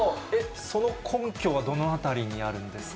その根拠はどのあたりにあるんですか？